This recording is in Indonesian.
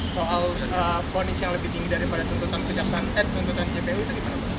soal ponis yang lebih tinggi daripada tuntutan kejaksaan eh tuntutan jpu itu gimana pak